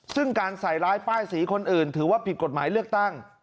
ซึ่งการใส่ร้ายป้ายสีคนอื่นถือว่าผิดกฎหมายเลือกตั้ง